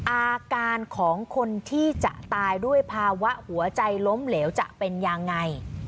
อาการของคนที่จะตายด้วยภาวะหัวใจล้มเหลวจะเป็นยังไง